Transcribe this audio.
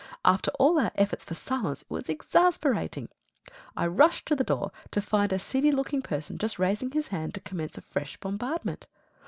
After all our efforts for silence it was exasperating. I rushed to the door to find a seedy looking person just raising his hand to commence a fresh bombardment.